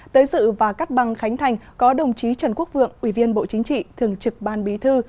tới dự và cắt băng khánh thành có đồng chí trần quốc vượng ủy viên bộ chính trị thường trực ban bí thư